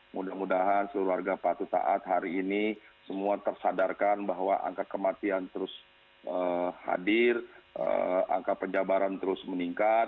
mudah mudahan seluruh warga patut taat hari ini semua tersadarkan bahwa angka kematian terus hadir angka penjabaran terus meningkat